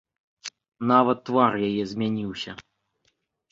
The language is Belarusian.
Нават твар яе змяніўся.